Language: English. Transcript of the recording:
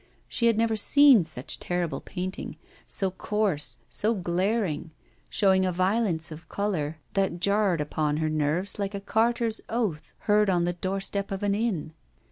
She had never seen such terrible painting, so coarse, so glaring, showing a violence of colour, that jarred upon her nerves like a carter's oath heard on the doorstep of an inn.